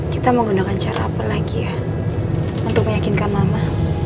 kita menggunakan cara apa lagi ya untuk meyakinkan mama